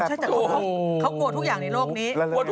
โอ้โฮเขากลัวทุกอย่างในโลกนี้